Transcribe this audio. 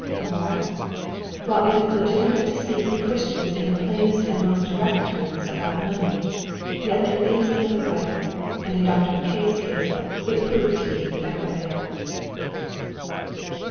Moral: While it is legitimate to speak to Christians in the plainest and most direct terms about money, yet there is another way, and in Dr. Mackay's case it proved to be the better way.